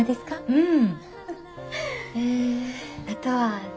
うん。